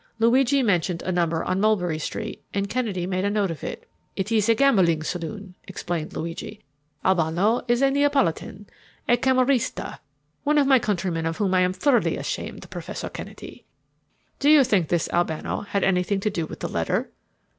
Luigi mentioned a number on Mulberry Street, and Kennedy made a note of it. "It is a gambling saloon," explained Luigi. "Albano is a Neapolitan, a Camorrista, one of my countrymen of whom I am thoroughly ashamed, Professor Kennedy." "Do you think this Albano had anything to do with the letter?"